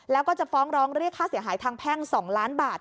แล้วก็จะฟ้องร้องเรียกค่าเสียหายทางแพ่ง๒ล้านบาท